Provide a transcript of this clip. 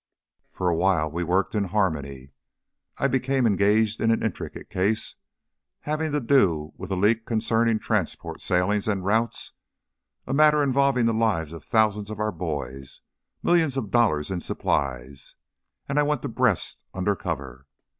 "For a while we worked in harmony. I became engaged in an intricate case, having to do with a leak concerning transport sailings and routes a matter involving the lives of thousands of our boys, millions of dollars in supplies, and I went to Brest, under cover.